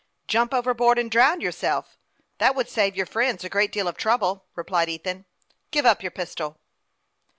"Jump overboard and drown yourself. That would save your friends a great deal of trouble," replied Ethan. " Give up your pistol